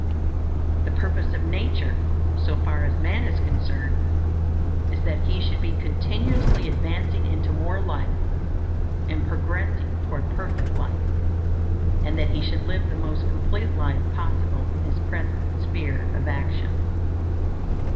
The purpose of Nature, so far as man is concerned, is that he should be continuously advancing into more life, and progressing toward perfect life; and that he should live the most complete life possible in his present sphere of action.